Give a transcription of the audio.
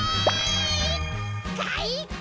かいか！